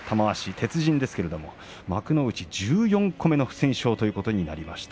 鉄人ですけれども幕内１４個目の不戦勝となりました。